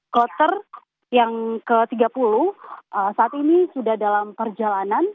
kloter yang ke tiga puluh saat ini sudah dalam perjalanan